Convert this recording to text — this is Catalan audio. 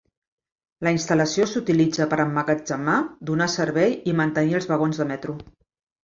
La instal·lació s'utilitza per emmagatzemar, donar servei i mantenir els vagons de metro.